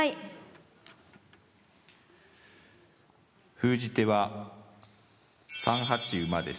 封じ手は３八馬です。